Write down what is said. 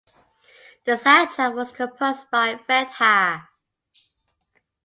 The soundtrack was composed by Vedha.